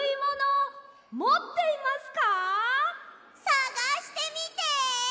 さがしてみて！